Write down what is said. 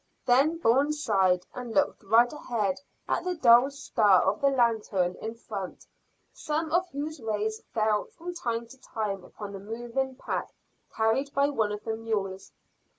Then Bourne sighed and looked right ahead at the dull star of the lanthorn in front, some of whose rays fell from time to time upon the moving pack carried by one of the mules.